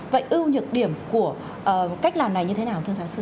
vậy ưu nhược điểm của cách làm này như thế nào thưa giáo sư